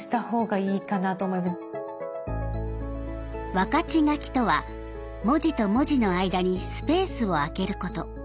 分かち書きとは文字と文字の間にスペースを空けること。